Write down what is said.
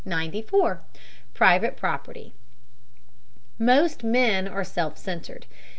PRIVATE PROPERTY. Most men are self centered.